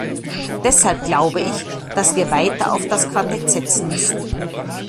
Deshalb glaube ich, dass wir weiter auf das Quartett setzen müssen.